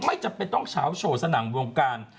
ไม่จำเป็นต้องเฉาโชว์สนั่นวงการ